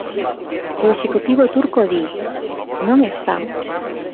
O executivo turco, di, "non está".